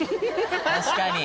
・確かに！